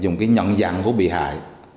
dùng cái nhận dạng của bị hại